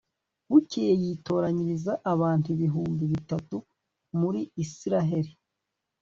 bukeye yitoranyiriza abantu ibihumbi bitatu muri israheli